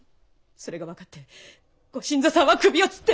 それが分かってご新造さんは首を吊って。